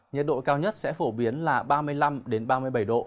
nhiệt độ cao nhất sẽ phổ biến là ba mươi năm ba mươi bảy độ